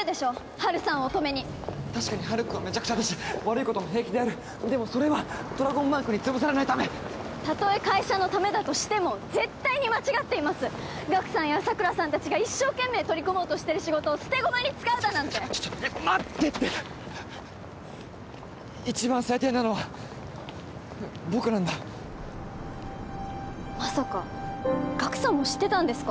ハルさんを止めに確かにハルくんはメチャクチャだし悪いことも平気でやるでもそれはドラゴンバンクにつぶされないためたとえ会社のためだとしても絶対に間違っていますガクさんや桜さんたちが一生懸命取り組もうとしてる仕事を捨て駒に使うだなんてちょっと待ってって一番最低なのは僕なんだまさかガクさんも知ってたんですか？